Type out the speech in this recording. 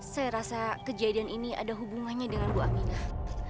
saya rasa kejadian ini ada hubungannya dengan bu aminah